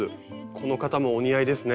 この方もお似合いですね。